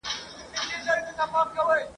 زه مي خپل جنون له هر کاروان څخه شړلی یم !.